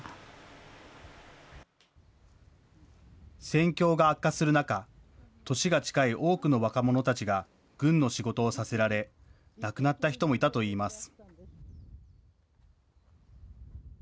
戦況が悪化する中、年が近い多くの若者たちが軍の仕事をさせられ、亡くなった人もいたといいます。